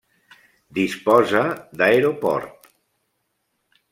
Disposa d'aeroport.